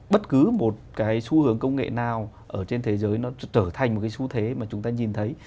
bất cứ một cái xu hướng công nghệ nào ở trên thế giới nó trở thành một cái xu thế mà chúng ta nhìn thấy